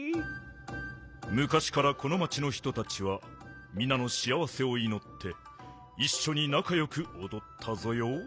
むかしからこの町の人たちはみなのしあわせをいのっていっしょになかよくおどったぞよ。